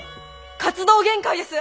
活動限界です。